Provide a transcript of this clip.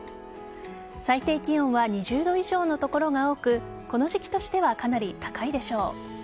最低気温は２０度以上の所が多くこの時期としてはかなり高いでしょう。